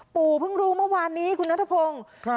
ปู่เพิ่งรู้เมื่อวานนี้คุณนัทพงศ์